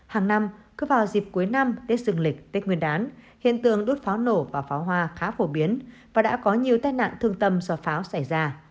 hàng năm cứ vào dịp cuối năm tết dương lịch tết nguyên đán hiện tượng đốt pháo nổ và pháo hoa khá phổ biến và đã có nhiều tai nạn thương tâm do pháo xảy ra